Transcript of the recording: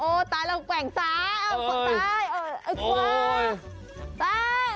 โอ้ตายละขว้า